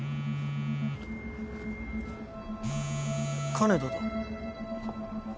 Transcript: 金田だ。